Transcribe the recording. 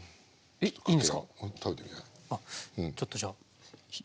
ちょっとじゃあ１つ。